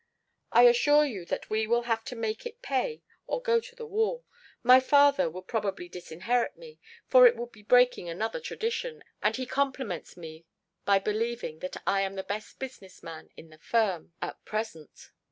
"I can assure you that we will have to make it pay or go to the wall. My father would probably disinherit me, for it would be breaking another tradition, and he compliments me by believing that I am the best business man in the firm at present.